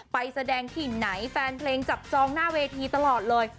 ไปแสดงที่ไหนแฟนเพลงจับจองหน้าเวทีตลอดเลย